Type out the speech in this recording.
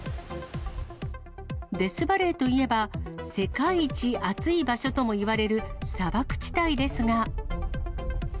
デスバレーといえば、世界一暑い場所ともいわれる砂漠地帯ですが。